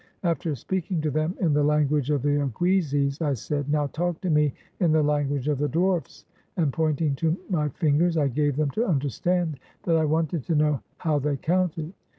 After speaking to them in the language of the Oguizis, I said, "Now talk to me in the language of the dwarfs "; and, pointing to my fingers, I gave them to understand that I wanted to know how they counted.